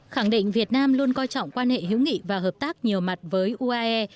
khẳng định việt nam luôn coi trọng quan hệ hữu nghị và hợp tác nhiều mặt với uae